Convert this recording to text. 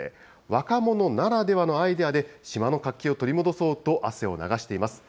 若者ならではのアイデアで、島の活気を取り戻そうと、汗を流しています。